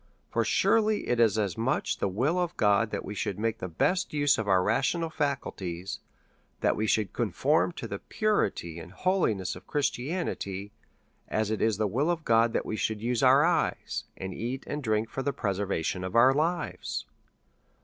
For surely it is as much the will of God that we should make the best use of our rational faculties, that we should conform to the purity and holiness of Christianity, as it is the will of God that we should use our eyes, and eat and drink for the preservation of our lives.